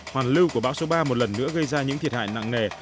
hoàn lưu của bão số ba một lần nữa gây ra những thiệt hại nặng nề